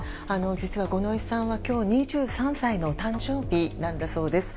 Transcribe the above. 実は、五ノ井さんは今日、２３歳の誕生日なんだそうです。